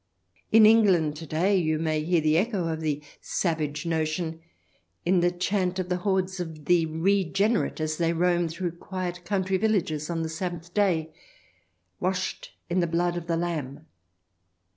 In England to day you may hear the echo of the savage notion in the chant of the hordes of the re generate as they roam through quiet country villages on the Sabbath Day :" Washed in the blood of the Lamb."